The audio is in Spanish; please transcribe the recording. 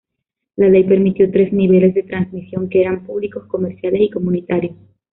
La ley permitió tres niveles de transmisión, que eran públicos, comerciales y comunitarios.